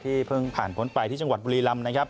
ที่เพิ่งผ่านพ้นไปที่จังหวัดบุรีรัมน์